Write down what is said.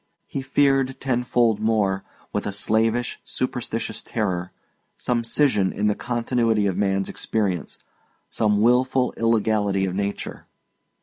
He feared tenfold more, with a slavish, superstitious terror, some scission in the continuity of man's experience, some wilful illegality of nature.